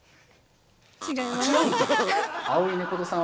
違います。